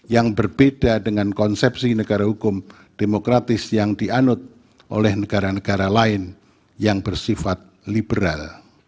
yang berbeda dengan konsepsi negara hukum demokratis yang dianut oleh negara negara lain yang bersifat liberal